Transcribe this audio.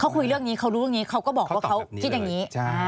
เขาคุยเรื่องนี้เขารู้เรื่องนี้เขาก็บอกว่าเขาคิดอย่างนี้